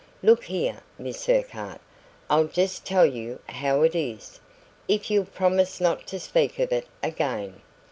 "Look here, Miss Urquhart, I'll just tell you how it is, if you'll promise not to speak of it again.